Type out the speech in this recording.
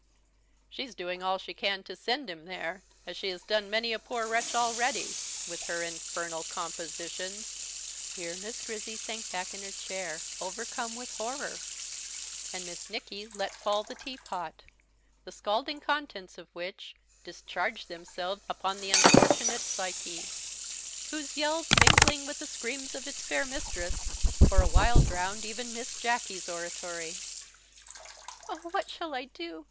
"She's doing all she can to send him there, as she has done many a poor wretch already, with her infernal compositions." Here Miss Grizzy sank back in her chair, overcome with horror; and Miss Nicky let fall the teapot, the scalding contents of which discharged themselves upon the unfortunate Psyche, whose yells, mingling with the screams of its fair mistress, for a while drowned even Miss Jacky's oratory. "Oh, what shall I do?"